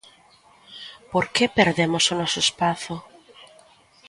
Por que perdemos o noso espazo?